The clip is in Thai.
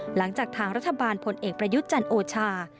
หลังจากทางรัฐบาลพลเอกประยุทธ์จันโอชา